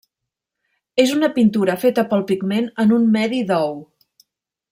És una pintura feta pel pigment en un medi d'ou.